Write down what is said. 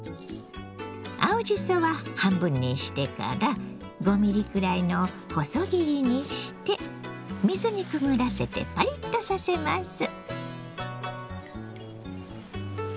青じそは半分にしてから５ミリくらいの細切りにして水にくぐらせてパリッとさせます。